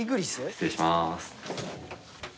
失礼します。